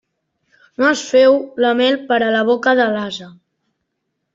No es féu la mel per a la boca de l'ase.